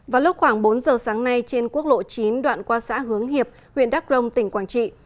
vào lúc khoảng bốn giờ sáng nay trên quốc lộ chín đoạn qua xã hướng hiệp huyện đắk rông tỉnh quảng trị